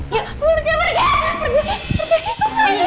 yuk pergi pergi